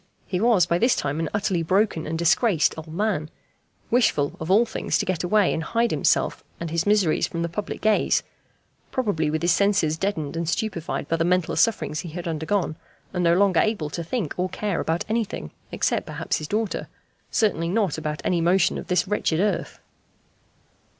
He was by this time an utterly broken and disgraced old man; wishful, of all things, to get away and hide himself and his miseries from the public gaze; probably with his senses deadened and stupefied by the mental sufferings he had undergone, and no longer able to think or care about anything except perhaps his daughter, certainly not about any motion of this wretched earth.